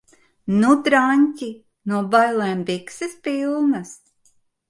Nu, draņķi? No bailēm bikses pilnas?